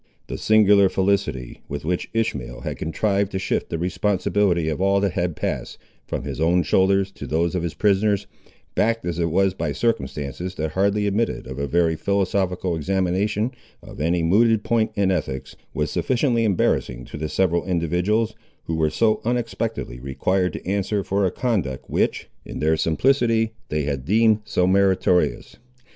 The singular felicity, with which Ishmael had contrived to shift the responsibility of all that had passed, from his own shoulders to those of his prisoners, backed as it was by circumstances that hardly admitted of a very philosophical examination of any mooted point in ethics, was sufficiently embarrassing to the several individuals, who were so unexpectedly required to answer for a conduct which, in their simplicity, they had deemed so meritorious.